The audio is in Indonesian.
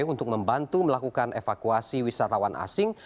untuk membantu melakukan evakuasi wisatawan asing